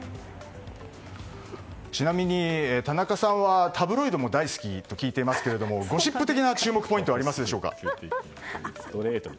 ちなみに、田中さんはタブロイドも大好きと聞いていますがゴシップ的な注目ポイントはありますでしょうか。